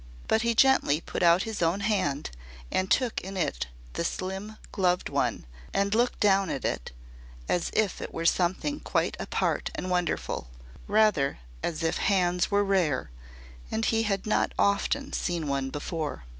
But he gently put out his own hand and took in it the slim gloved one and looked down at it, as if it were something quite apart and wonderful rather as if hands were rare and he had not often seen one before.